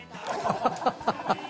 ハハハハ！